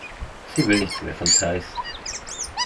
Sie will nichts mehr von Teis.